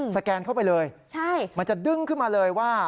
แกนเข้าไปเลยมันจะดึงขึ้นมาเลยว่า